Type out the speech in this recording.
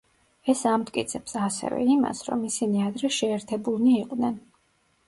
ეს ამტკიცებს, ასევე, იმას, რომ ისინი ადრე შეერთებულნი იყვნენ.